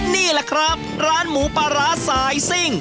นี่แหละครับร้านหมูปลาร้าสายซิ่ง